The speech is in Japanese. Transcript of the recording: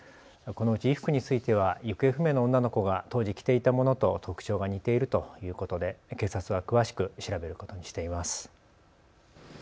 このうち衣服については行方不明の女の子が当時、着ていたものと特徴が似ているということで警察は詳しく調べることにしています。